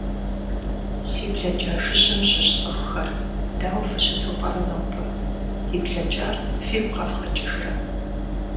Си блакӏа жыжьэм щыщ цӏыхухэр, дау фыщыту пӏэрэ нобэ - ди блэкӏар фигу къэвгъэкӏыжырэ?